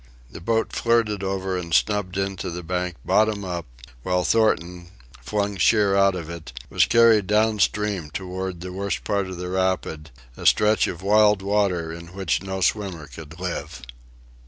The boat flirted over and snubbed in to the bank bottom up, while Thornton, flung sheer out of it, was carried down stream toward the worst part of the rapids, a stretch of wild water in which no swimmer could live.